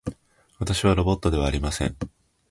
私はロボットではありません。